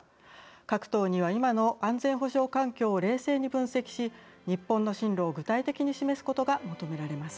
各党には今の安全保障環境を冷静に分析し日本の進路を具体的に示すことが求められます。